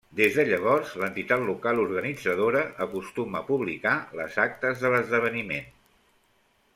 Des de llavors l'entitat local organitzadora acostuma a publicar les actes de l'esdeveniment.